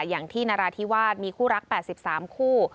อย่างที่นราธิวาสมีคู่รัก๘๓คู่